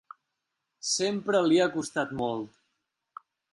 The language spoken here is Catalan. Sempre li ha costat molt.